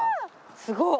すごっ！